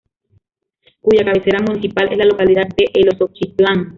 Cuya cabecera municipal es la localidad de Eloxochitlán.